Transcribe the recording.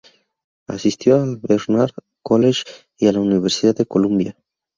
Asistió al Barnard College y a la Universidad de Columbia.